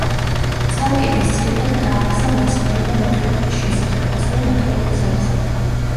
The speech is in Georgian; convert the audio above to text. ცალკე დისციპლინად დააარსა „მეცნიერება მეტყველების შესახებ“, ასევე „მეტყველების აღზრდა“.